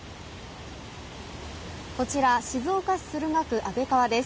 こちら、静岡市駿河区安倍川です。